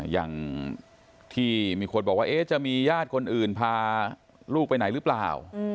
อย่างที่มีคนบอกว่าจะมีญาติคนอื่นพาลูกไปไหนหรือเปล่า